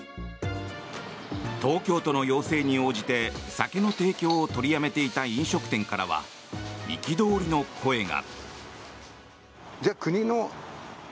東京都の要請に応じて酒の提供を取りやめていた飲食店からは憤りの声が。